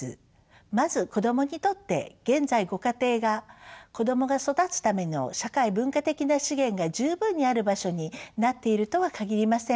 まず子どもにとって現在ご家庭が子どもが育つための社会文化的な資源が十分にある場所になっているとは限りません。